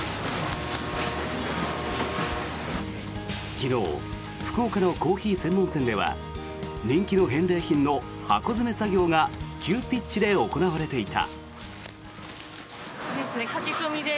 昨日、福岡のコーヒー専門店では人気の返礼品の箱詰め作業が急ピッチで行われていた。